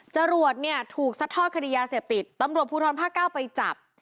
จรวดเนี่ยถูกซัดทอดคดียาเสพติดตำรวจภูทรภาคเก้าไปจับ